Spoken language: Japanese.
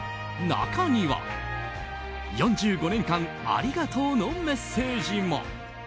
中には４５年間、ありがとうのメッセージも。